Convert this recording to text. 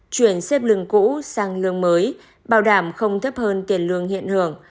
chuyển xếp lương cũ sang lương mới bảo đảm không thấp hơn tiền lương hiện hưởng